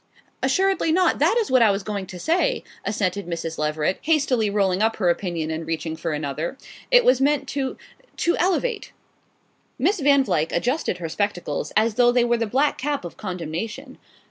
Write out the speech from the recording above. "Assuredly not that is what I was going to say," assented Mrs. Leveret, hastily rolling up her opinion and reaching for another. "It was meant to to elevate." Miss Van Vluyck adjusted her spectacles as though they were the black cap of condemnation.